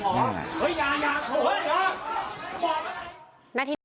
นั่นไง